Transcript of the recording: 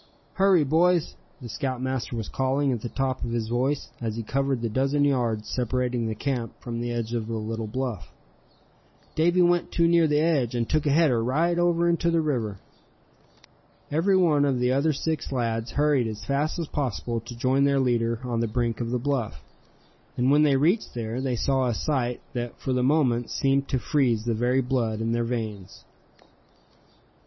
"Hurry, boys!" the scoutmaster was calling at the top of his voice, as he covered the dozen yards separating the camp from the edge of the little bluff; "Davy went too near the edge, and took a header right over into the river!" Every one of the other six lads hurried as fast as possible to join their leader on the brink of the bluff; and when they reached there, they saw a sight that for the moment seemed to freeze the very blood in their veins.